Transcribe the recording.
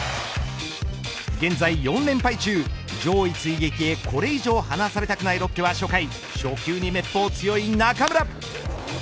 現在４連敗中、上位追撃へこれ以上離されたくないロッテは、初回初球にめっぽう強い中村。